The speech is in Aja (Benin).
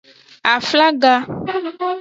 Aflaga.